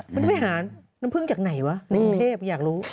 มันได้ไปหาน้ำเพลิงจากไหนวะน้ำเพลิงเทพอยากรู้